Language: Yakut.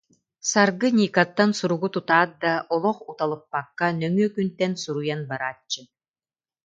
Саргы Никаттан суругу тутаат да, олох уталыппакка нөҥүө күнтэн суруйан барааччы